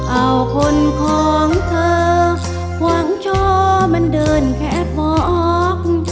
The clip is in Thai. เอาคนของเธอหวังช่อมันเดินแค่มอง